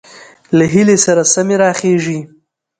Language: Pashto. له هيلې سره سمې راخېژي،